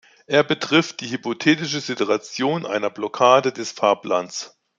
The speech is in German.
Er betrifft die hypothetische Situation einer Blockade des Fahrplans.